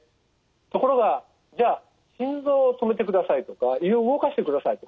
ところがじゃあ心臓を止めてくださいとか胃を動かしてくださいと。